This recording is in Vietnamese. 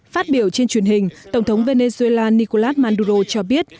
phát biểu trên truyền hình tổng thống venezuela nicolas manduro cho biết